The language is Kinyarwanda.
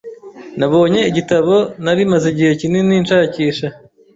Nabonye igitabo nari maze igihe kinini nshakisha.